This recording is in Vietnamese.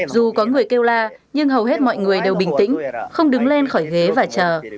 dù có người kêu la nhưng hầu hết mọi người đều bình tĩnh không đứng lên khỏi ghế và chờ